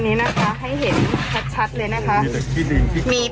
เอ้าเฮ้ย